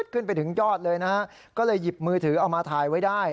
ขึ้นไปถึงยอดเลยนะฮะก็เลยหยิบมือถือเอามาถ่ายไว้ได้